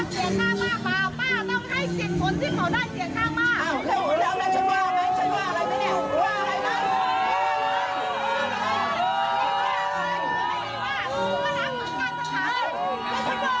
ถ้าเราเขียนสิ่งที่หรือเราจัดการทหารก็ไม่วาง